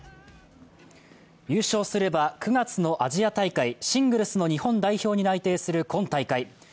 優勝すれば９月のアジア大会シングルスの日本代表に内定する今大会。